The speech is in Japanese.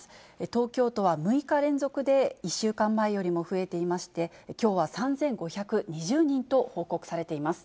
東京都は６日連続で１週間前より増えていまして、きょうは３５２０人と報告されています。